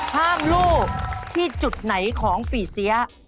ห้ามรูปที่จุดไหนของปีเสีย